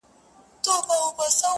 ستا د زلفو په خنجر کي را ايسار دی~